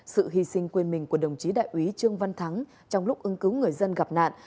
sự hy sinh quên mình của đồng chí đại úy trương văn thắng trong lúc ứng cứu người dân gặp nạn